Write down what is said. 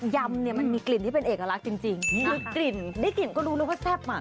ยำเนี่ยมันมีกลิ่นที่เป็นเอกลักษณ์จริงคือกลิ่นได้กลิ่นก็รู้เลยว่าแซ่บอ่ะ